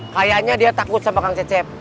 kayaknya dia takut sama kang cecep